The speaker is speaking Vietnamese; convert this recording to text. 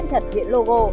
tem thật hiện logo